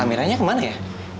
amiranya kemana ya